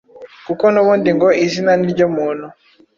kuko n’ubundi ngo izina ni ryo muntu